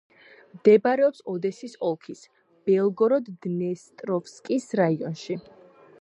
მდებარეობს ოდესის ოლქის ბელგოროდ-დნესტროვსკის რაიონში.